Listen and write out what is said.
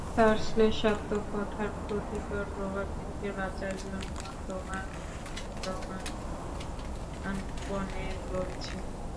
তার শ্লেষাত্মক কথার ক্ষতিকর প্রভাব থেকে বাঁচার জন্য তোমার মন প্রাণপণে লড়েছে।